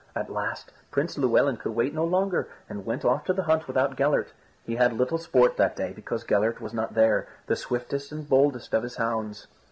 At last Prince Llewelyn could wait no longer and went off to the hunt without Gellert. He had little sport that day because Gellert was not there, the swiftest and boldest of his hounds.